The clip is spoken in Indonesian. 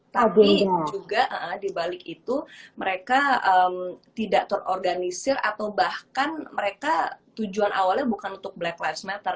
tapi juga dibalik itu mereka tidak terorganisir atau bahkan mereka tujuan awalnya bukan untuk black lives matter